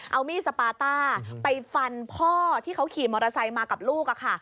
เอามีดสปาต้าไปฟันพ่อที่เขาขี่มอเตอร์ไซค์มากับลูกค่ะ